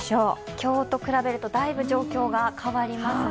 今日と比べるとだいぶ状況が変わりますね。